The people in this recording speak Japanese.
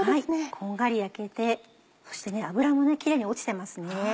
こんがり焼けてそして脂もキレイに落ちてますね。